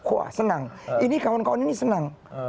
wah senang ini kawan kawan ini senang